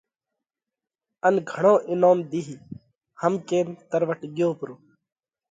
ان گھڻو انوم ۮِيه۔ هم ڪينَ تروٽ ڳيو پرو۔